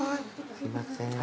すいません。